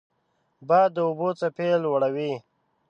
باد د اوبو څپې لوړوي